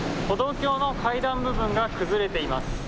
歩道橋の階段部分が崩れています。